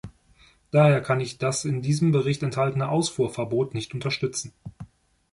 Daher kann ich das in diesem Bericht enthaltene Ausfuhrverbot nicht unterstützen.